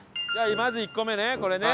まず１個目ね。